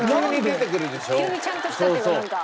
急にちゃんとしたっていうかなんか。